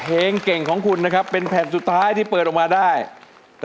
เพลงเก่งของคุณนะครับเป็นแผ่นสุดท้ายที่เปิดออกมาได้ก็